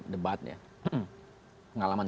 debat ya pengalaman